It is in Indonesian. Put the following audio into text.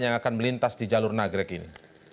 yang akan melintas di jalur nagrek ini